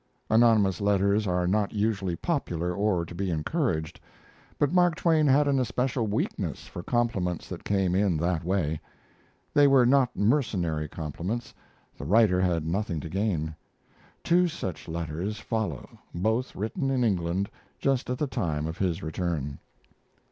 Anonymous letters are not usually popular or to be encouraged, but Mark Twain had an especial weakness for compliments that came in that way. They were not mercenary compliments. The writer had nothing to gain. Two such letters follow both written in England just at the time of his return.